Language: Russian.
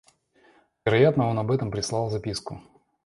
Вероятно, он об этом прислал записку.